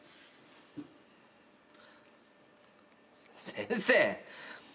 先生。